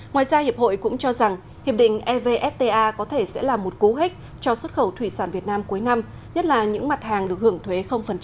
ngoài ra hiệp hội cũng cho rằng hiệp định evfta có thể sẽ là một cú hích cho xuất khẩu thủy sản việt nam cuối năm nhất là những mặt hàng được hưởng thuế